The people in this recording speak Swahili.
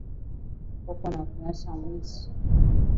Uko na kurya sa mwizi